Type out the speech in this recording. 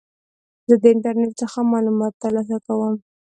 زه د انټرنیټ څخه معلومات ترلاسه کوم.